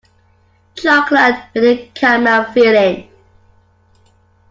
Chocolate with a caramel filling.